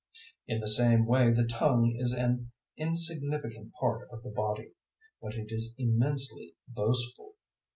003:005 In the same way the tongue is an insignificant part of the body, but it is immensely boastful.